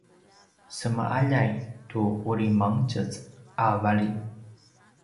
sema’aljay tu uri mangtjez a vali